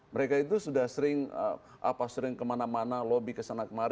mereka itu sudah sering apa sering kemana mana